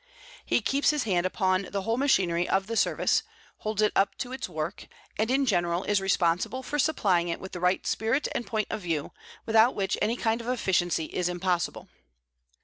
He keeps his hand upon the whole machinery of the Service, holds it up to its work, and in general is responsible for supplying it with the right spirit and point of view, without which any kind of efficiency is impossible.